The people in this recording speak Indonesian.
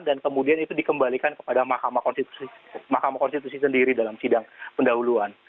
dan kemudian itu dikembalikan kepada mahkamah konstitusi sendiri dalam sidang pendahuluan